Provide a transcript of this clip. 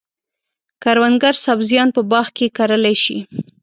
کروندګر سبزیان په باغ کې کرلای شي.